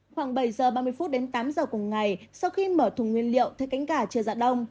khoảng bảy giờ ba mươi phút đến tám giờ cùng ngày sau khi mở thùng nguyên liệu thấy cánh gà chưa ra đông